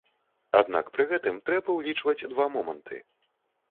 Аднак пры гэтым трэба ўлічваць два моманты.